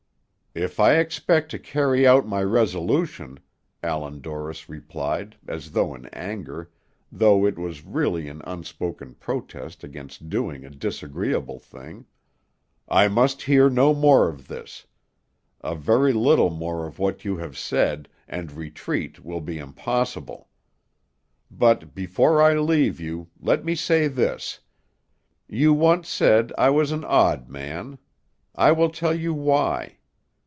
"If I expect to carry out my resolution," Allan Dorris replied, as though in anger, though it was really an unspoken protest against doing a disagreeable thing, "I must hear no more of this; a very little more of what you have said, and retreat will be impossible. But before I leave you, let me say this: You once said I was an odd man; I will tell you why.